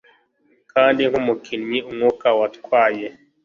Kandi nkumukinnyi umwuka watwaye